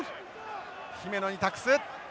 姫野に託す。